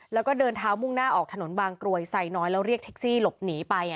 แล้วก็เดินเท้ามุ่งหน้าออกถนนบางกรวยไซน้อยแล้วเรียกแท็กซี่หลบหนีไป